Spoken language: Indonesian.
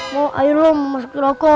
mau air lo masuk ke rokok